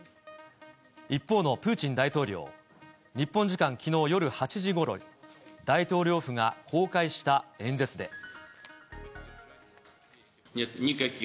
一方のプーチン大統領、日本時間きのう夜８時ごろ、大統領府が公開した演説で。